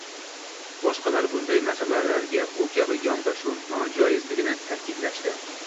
boshqalar bunday masalalarga bu kabi yondashuv nojoizligini ta’kidlashdi.